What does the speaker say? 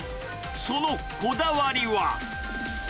そのこだわりは。